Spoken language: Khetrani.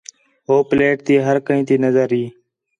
ہو پلیٹ تی ہر کئیں تی نظر ہی